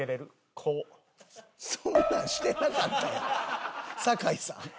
そんなんしてなかったやん堺さん。